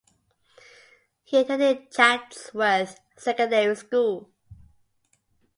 He attended Chatsworth Secondary School.